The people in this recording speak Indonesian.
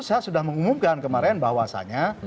saya sudah mengumumkan kemarin bahwasannya